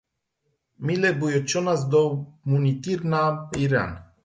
Míle buíochas do mhuintir na hÉireann.